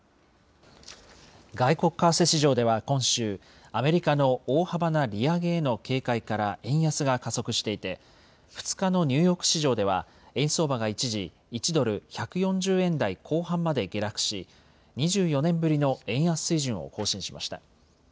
外国為替市場では今週、アメリカの大幅な利上げへの警戒から円安が加速していて、２日のニューヨーク市場では、円相場が一時、１ドル１４０円台後半まで下落し、２４年ぶりの円安水準を更新しました。